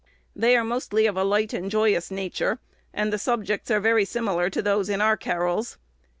They are mostly of a light and joyous nature, and the subjects are very similar to those in our carols.